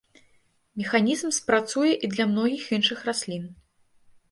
Механізм спрацуе і для многіх іншых раслін.